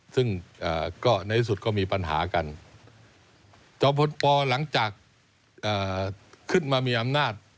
ซึ่งก็ในที่สุดก็มีปัญหากันจอมพลปหลังจากขึ้นมามีอำนาจ